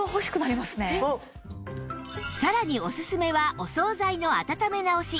さらにおすすめはお総菜の温め直し